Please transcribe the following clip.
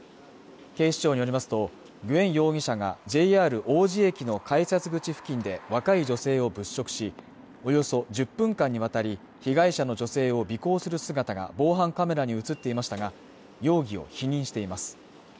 警視庁によりますとグエン容疑者がＪＲ王子駅の改札口付近で若い女性を物色しおよそ十分間にわたり被害者の女性を尾行する姿が防犯カメラに映っていましたが容疑を否認しています